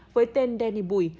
với tên danny bùi